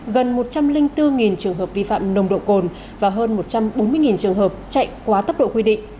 gần một trăm linh bốn trường hợp vi phạm nồng độ cồn và hơn một trăm bốn mươi trường hợp chạy quá tốc độ quy định